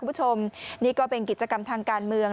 คุณผู้ชมนี่ก็เป็นกิจกรรมทางการเมือง